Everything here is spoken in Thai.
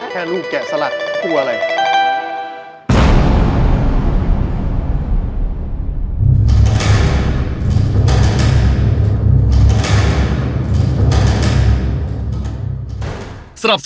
ลูกแกะสลักกลัวอะไร